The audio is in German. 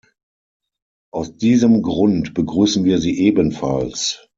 Aus diesem Grund begrüßen wir sie ebenfalls.